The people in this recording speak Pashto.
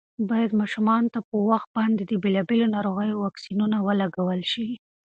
باید ماشومانو ته په وخت باندې د بېلابېلو ناروغیو واکسینونه ولګول شي.